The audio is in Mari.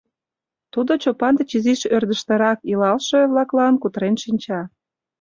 Тудо Чопан деч изиш ӧрдыжтырак илалше-влаклан кутырен шинча.